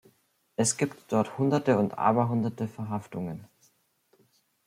Es gibt dort Hunderte und Aberhunderte Verhaftungen.